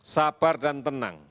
sabar dan tenang